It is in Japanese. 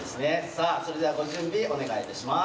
さあそれではご準備お願いいたします。